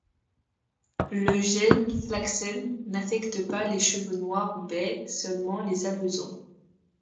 Le gène flaxen n'affecte pas les chevaux noirs ou bais, seulement les alezans.